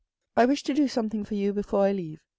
I wish to do something for you before I leave.